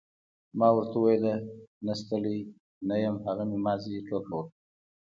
ما ورته وویل نه ستړی نه یم هغه مې محض ټوکه وکړه.